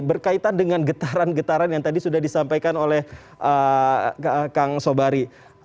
berkaitan dengan getaran getaran yang tadi sudah disampaikan oleh kang sobari